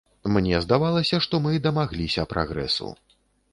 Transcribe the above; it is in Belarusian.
Мне здавалася, што мы дамагліся прагрэсу.